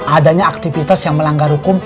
adanya aktivitas yang melanggar hukum